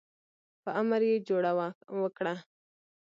په امر یې جوړه وکړه.